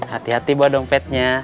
hati hati bawa dompetnya